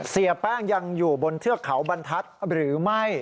เสียแป้งยังอยู่บนเทือกเขาบรรทัศน์หรือไม่